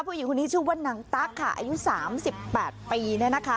ผู้หญิงคนนี้ชื่อว่านางตั๊กค่ะอายุสามสิบแปดปี